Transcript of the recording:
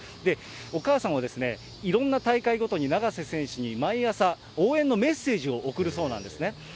お母さんはいろんな大会ごとに、永瀬選手に毎朝応援のメッセージを送るそうなんですね。